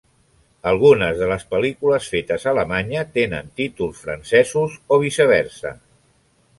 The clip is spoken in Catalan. Algunes de les pel·lícules fetes a Alemanya tenen títols francesos o viceversa.